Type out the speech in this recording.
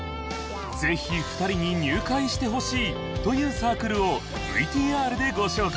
ぜひ２人に入会してほしいというサークルを ＶＴＲ でご紹介